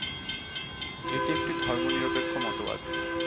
এটি একটি ধর্মনিরপেক্ষ মতবাদ।